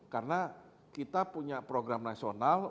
karena kita punya program nasional